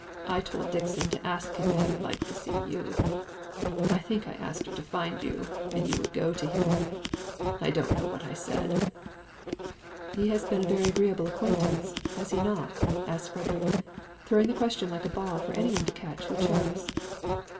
I told Dixon to ask him if he would like to see you I think I asked her to find you, and you would go to him. I don't know what I said." "He has been a very agreeable acquaintance, has he not?" asked Frederick, throwing the question like a ball for any one to catch who chose.